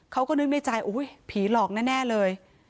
เขาก็นึกในใจผีหลอกแน่เลย